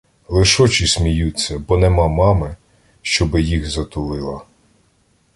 Лиш очі сміються, бо нема мами, щоби їх затулила.